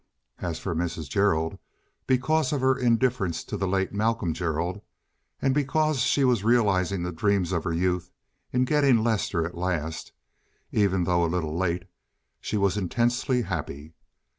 As for Mrs. Gerald, because of her indifference to the late Malcolm Gerald, and because she was realizing the dreams of her youth in getting Lester at last—even though a little late—she was intensely happy.